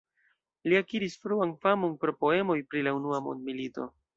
Li akiris fruan famon pro poemoj pri la Unua Mondmilito.